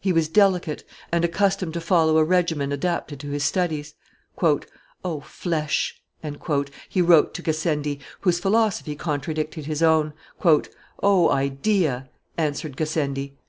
He was delicate, and accustomed to follow a regimen adapted to his studies. "O flesh!" he wrote to Gassendi, whose philosophy contradicted his own: "O idea!" answered Gassendi.